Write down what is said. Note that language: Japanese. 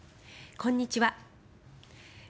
こんにちは。